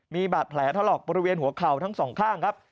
มีบาดแผลถลอกบริเวณหัวเข่าทั้งสองข้างครับ